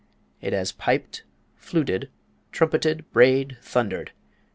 It has piped, fluted, trumpeted, brayed, thundered.